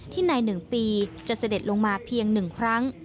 ที่ในหนึ่งปีจะเสด็จลงมาเพียงหนึ่งครั้ง